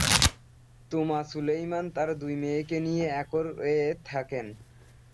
তুমা-সুলেইমান তার দুই মেয়েকে নিয়ে একর-এ থাকেন।